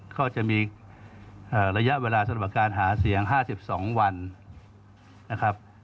ก็จะมีระยะเวลาสำหรับการหาเสียง๕๒วันนะครับ